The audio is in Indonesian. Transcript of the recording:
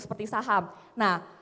seperti saham nah